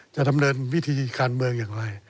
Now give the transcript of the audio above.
ดำเนินวิธีการเมืองอย่างไร